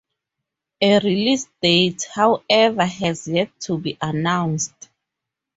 A release date, however, has yet to be announced.